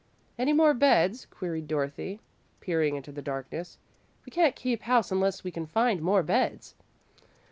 "Any more beds?" queried Dorothy, peering into the darkness. "We can't keep house unless we can find more beds."